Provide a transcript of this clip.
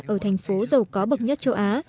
ở thành phố giàu có bậc nhất châu á